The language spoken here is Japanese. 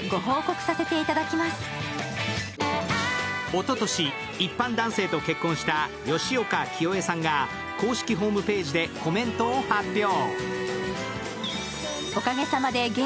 おととし、一般男性と結婚した吉岡聖恵さんが公式ホームページでコメントを発表。